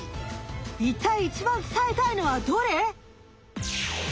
いったいいちばん伝えたいのはどれ？